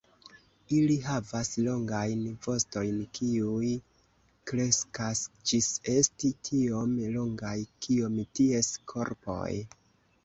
Ili havas longajn vostojn kiuj kreskas ĝis esti tiom longaj kiom ties korpoj.